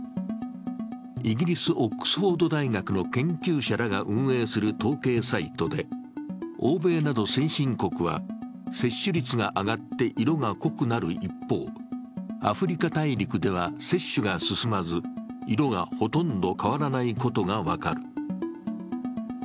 イギリス・オックスフォード大学の研究者らが運営する統計サイトで欧米など先進国は接種率が上がって色が濃くなる一方、アフリカ大陸では接種が進まず、色がほとんど変わらないことが分かる。